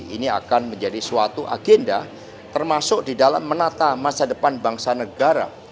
ini akan menjadi suatu agenda termasuk di dalam menata masa depan bangsa negara